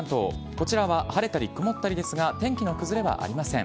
こちらは晴れたり曇ったりですが、天気の崩れはありません。